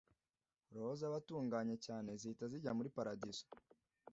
Roho z’abatunganye cyane zihita zijya mur Paradizo